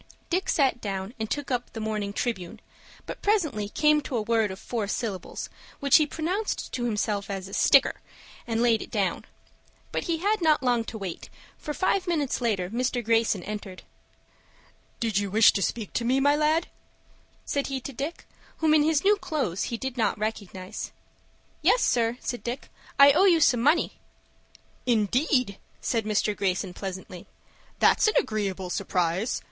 Dick sat down and took up the morning "Tribune," but presently came to a word of four syllables, which he pronounced to himself a "sticker," and laid it down. But he had not long to wait, for five minutes later Mr. Greyson entered. "Did you wish to speak to me, my lad?" said he to Dick, whom in his new clothes he did not recognize. "Yes, sir," said Dick. "I owe you some money." "Indeed!" said Mr. Greyson, pleasantly; "that's an agreeable surprise.